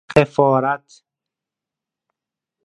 خفارت